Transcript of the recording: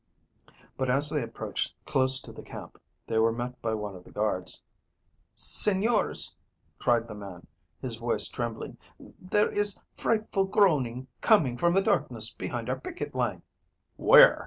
But, as they approached close to the camp, they were met by one of the guards. "Señors," cried the man, his voice trembling, "there is frightful groaning coming from the darkness behind our picket line." "Where?"